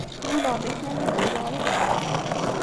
Luleɣ-d akken ad m-id-awiɣ lehna.